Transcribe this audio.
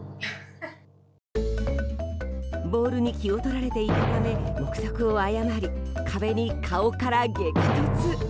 ボールに気を取られていたため目測を誤り、壁に顔から激突。